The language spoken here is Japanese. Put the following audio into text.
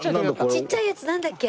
ちっちゃいやつなんだっけ？